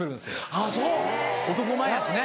あぁそう。男前やしね。